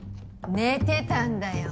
寝てたんだよ